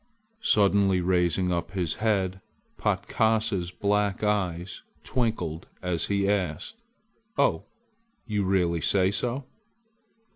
Suddenly raising up his head Patkasa's black eyes twinkled as he asked: "Oh, you really say so?"